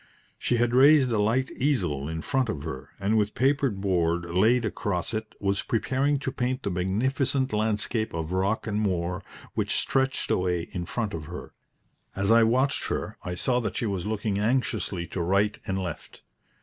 She had raised a light easel in front of her, and with papered board laid across it, was preparing to paint the magnificent landscape of rock and moor which stretched away in front of her. As I watched her I saw that she was looking anxiously to right and left.